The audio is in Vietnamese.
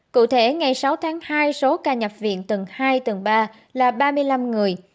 cụ thể ngày sáu tháng hai số ca nhập viện tầng hai tầng ba là ba mươi năm người